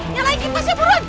nyalain kipas ya buruan